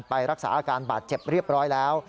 ไปรักษาอาการบาดเจ็บเรียบร้อยแล้ว